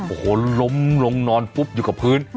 โอ้โหล้มลงนอนฟุบอยู่กับพื้น